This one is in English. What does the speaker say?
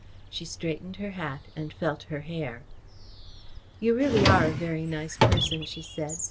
She straightened her hat and felt her hair. "You really are a very nice person," she said.